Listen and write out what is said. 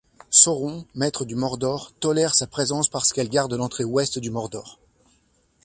Sauron, maître du Mordor, tolère sa présence parce qu'elle garde l'entrée ouest du Mordor.